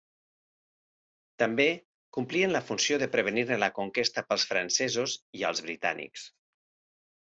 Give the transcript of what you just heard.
També complien la funció de prevenir-ne la conquesta pels francesos i els britànics.